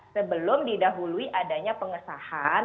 sebelum didahului adanya pengesahan